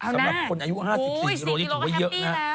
สำหรับคนอายุ๕๔กิโลนี่ถือว่าเยอะนะ